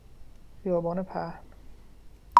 خیابان پهن